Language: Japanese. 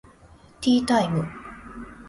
ティータイム